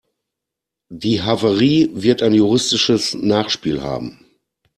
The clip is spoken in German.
Die Havarie wird ein juristisches Nachspiel haben.